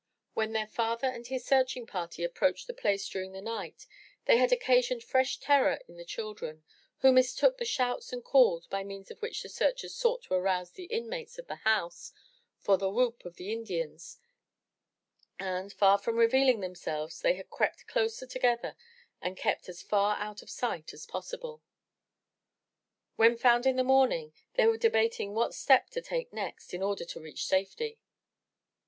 When their father and his searching party approached the place during the night, they had occasioned fresh terror to the children, who mistook the shouts and calls by means of which the searchers sought to arouse the inmates of the house, for the whoop of Indians, and, far from revealing themselves, they had crept closer together and kept as far out of sight as possible. When found in the morning they were debating what step to take next in order to reach safety.